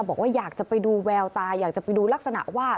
บอกว่าอยากจะไปดูแววตาอยากจะไปดูลักษณะว่า